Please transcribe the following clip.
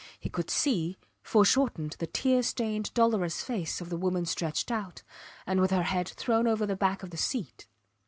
He could see, foreshortened, the tear stained, dolorous face of the woman stretched out, and with her head thrown over the back of the seat.